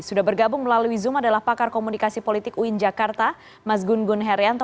sudah bergabung melalui zoom adalah pakar komunikasi politik uin jakarta mas gun gun herianto